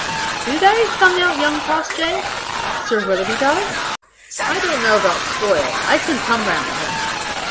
"Do they?" sung out young Crossjay. "Sir Willoughby does?" "I don't know about spoil. I can come round him."